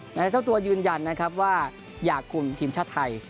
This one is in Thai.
หนังจากตัวยืนยันว่าอยากคุมทีมชาติไทย